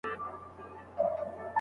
منظور پښتین د پښتنو د دې زرکلن